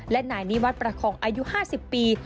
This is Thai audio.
และนายนิวัตรประคองอายุ๕๐ปี